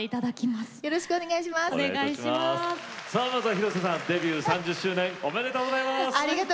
まずは広瀬さんデビュー３０周年おめでとうございます。